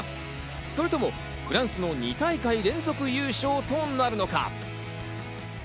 それともフランスの２大会連続優勝となるのか？